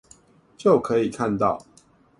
就可以看到